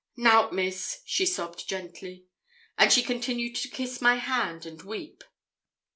'Nout, Miss,' she sobbed gently; and she continued to kiss my hand and weep.